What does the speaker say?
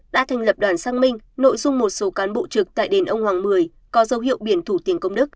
đã thành lập đoàn xăng minh nội dung một số cán bộ trực tại đền ông hoàng một mươi có dấu hiệu biển thủ tiền công đức